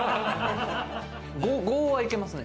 ５はいけますね。